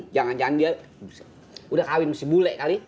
jangan jangan dia udah kawin sama si bule kali